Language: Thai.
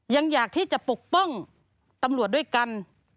อยากที่จะปกป้องตำรวจด้วยกัน